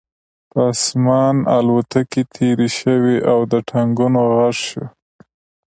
په آسمان الوتکې تېرې شوې او د ټانکونو غږ شو